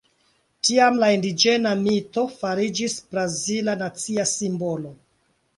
Tiam la indiĝena mito fariĝis brazila nacia simbolo.